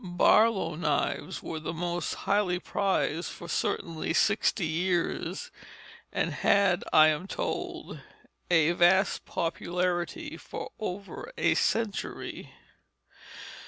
Barlow knives were the most highly prized for certainly sixty years, and had, I am told, a vast popularity for over a century.